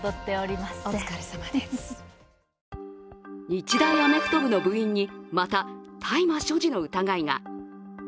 日大アメフト部の部員にまた大麻所持の疑いが。